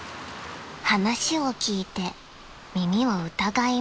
［話を聞いて耳を疑いました］